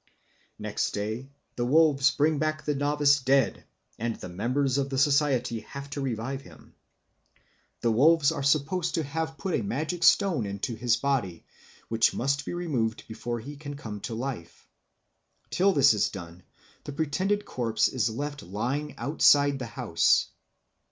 Next day the wolves bring back the novice dead, and the members of the society have to revive him. The wolves are supposed to have put a magic stone into his body, which must be removed before he can come to life. Till this is done the pretended corpse is left lying outside the house.